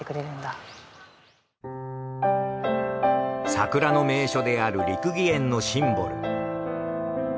桜の名所である『六義園』のシンボル。